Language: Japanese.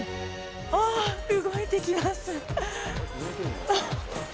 あー、動いてきます。